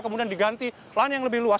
kemudian diganti lahan yang lebih luas